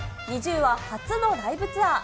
ＮｉｚｉＵは初のライブツアー。